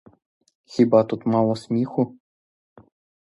Хіба тут мало сміху?